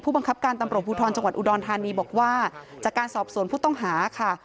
บังคับการตำรวจภูทรจังหวัดอุดรธานีบอกว่าจากการสอบสวนผู้ต้องหาค่ะ